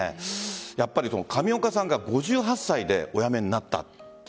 上岡さんが５８歳でお辞めになったと。